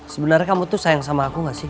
sebenarnya kamu tuh sayang sama aku gak sih